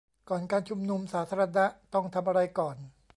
ก่อนการชุมนุมสาธารณะต้องทำอะไรก่อน